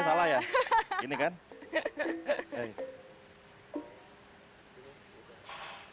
kalau pakai dua gimana tangan